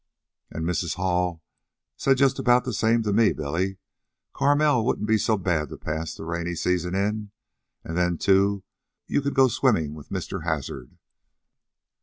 "And Mrs. Hall said just about the same to me, Billy. Carmel wouldn't be so bad to pass the rainy season in. And then, too, you could go swimming with Mr. Hazard."